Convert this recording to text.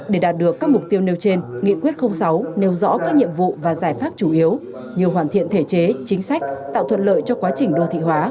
để đạt được các mục tiêu nêu trên nghị quyết sáu nêu rõ các nhiệm vụ và giải pháp chủ yếu như hoàn thiện thể chế chính sách tạo thuận lợi cho quá trình đô thị hóa